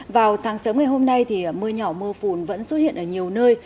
vào sáng sớm ngày hôm nay thì mưa nhỏ mưa phùn vẫn xuất hiện ở nhiều nơi